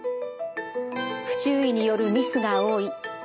不注意によるミスが多い。